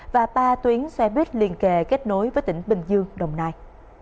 và ba tuyến xe buýt liên kề kết nối với tỉnh bình kỳ